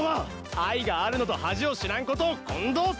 愛があるのと恥を知らんことを混同するな！